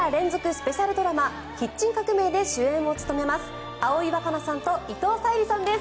スペシャルドラマ「キッチン革命」で主演を務めます葵わかなさんと伊藤沙莉さんです。